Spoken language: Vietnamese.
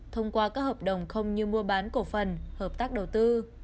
thông qua các hợp đồng không như mua bán cổ phần hợp tác đầu tư